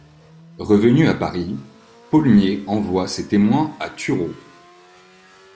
Revenu à Paris, Paulmier envoie ses témoins à Turot.